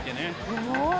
すごい！